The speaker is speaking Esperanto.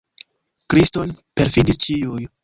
Kriston perfidis ĉiuj.